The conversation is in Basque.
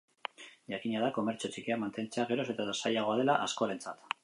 Jakina da komertzio txikiak mantentzea geroz eta zailagoa dela askorentzat.